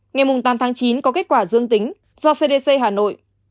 ngày tám tháng chín có kết quả dương tính do cdc hà nội